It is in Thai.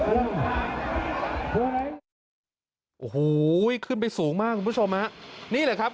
โอ้โหขึ้นไปสูงมากคุณผู้ชมฮะนี่แหละครับ